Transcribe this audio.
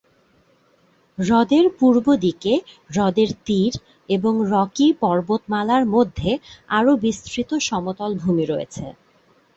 হ্রদের পূর্ব দিকে হ্রদের তীর এবং রকি পর্বতমালার মধ্যে আরও বিস্তৃত সমতল ভূমি রয়েছে।